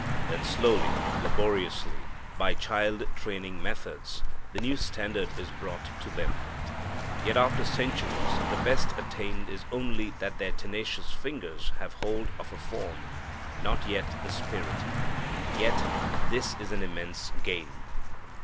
Then slowly, laboriously, by child training methods, the new standard is brought to them. Yet after centuries the best attained is only that their tenacious fingers have hold of a form, not yet the spirit. Yet this is an immense gain.